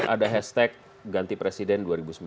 ada hashtag ganti presiden dua ribu sembilan belas